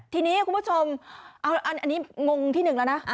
ทีนี้คุณผู้ชมอันนี้งงที่หนึ่งแล้วนะ